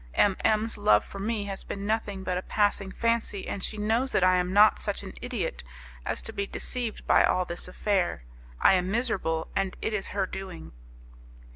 M M 's love for me has been nothing but a passing fancy, and she knows that I am not such an idiot as to be deceived by all this affair. I am miserable, and it is her doing."